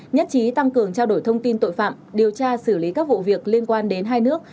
nhất trí tăng cường trao đổi thông tin tội phạm điều tra xử lý các vụ việc liên quan đến hai nước